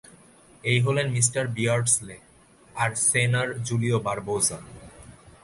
এই হলেন mister Beardsley আর সেনর জুলিও বারবোসা।